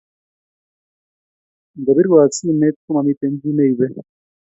Ngobirwok simet komamiten chii neibe?